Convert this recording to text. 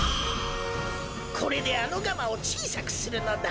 これであのガマをちいさくするのだ。